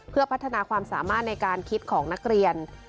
เพื่อพัฒนาความสามารถในการคิดของนักเรียน